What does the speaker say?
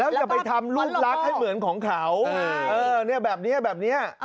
และอย่าไปทำลูกลักให้เหมือนของเขาแบบนี้แบบนี้